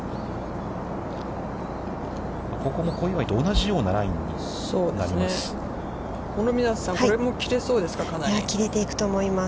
ここも小祝と同じようなラインになります。